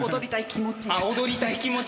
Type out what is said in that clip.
踊りたい気持ち。